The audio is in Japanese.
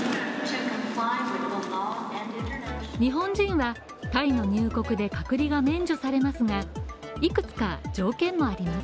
日本人はタイの入国で隔離が免除されますが、いくつか条件もあります。